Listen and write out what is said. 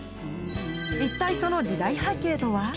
一体その時代背景とは？